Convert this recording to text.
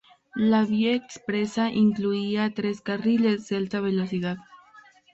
La vía expresa incluía tres carriles de alta velocidad.